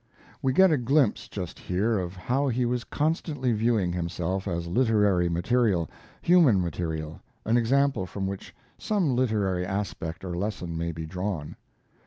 We get a glimpse just here of how he was constantly viewing himself as literary material human material an example from which some literary aspect or lesson may be drawn.